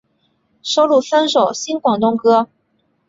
收录三首新广东歌。